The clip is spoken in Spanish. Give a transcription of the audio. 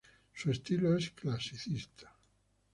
Su estilo es clasicista.